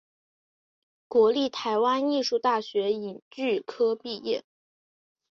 国立台湾艺术大学影剧科毕业。